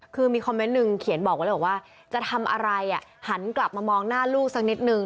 คือมีคอมเมนต์หนึ่งเขียนบอกไว้เลยบอกว่าจะทำอะไรหันกลับมามองหน้าลูกสักนิดนึง